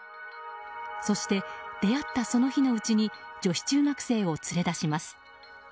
そして、出会ったその日のうちに女子中学生を連れ出します。